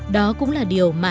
đó cũng là điều mà